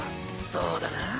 そうだなぁ